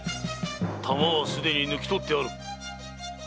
弾はすでに抜き取ってある。